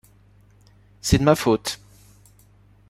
C'est de ma faute.